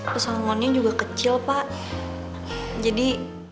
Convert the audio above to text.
pesongonnya juga kecil pak jadi